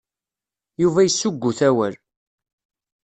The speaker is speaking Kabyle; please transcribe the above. Yuba yessuggut awal.